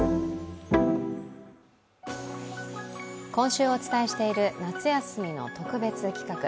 今週お伝えしている夏休みの特別企画。